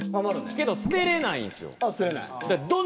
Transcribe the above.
けど捨てれないんですよ。